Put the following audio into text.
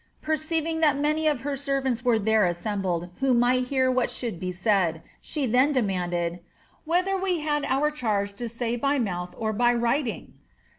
Perceiving that many of her servants were there assembled, who might hear what should be said, she then fananded, ^ Whether we had our charge to say by mouth or by writing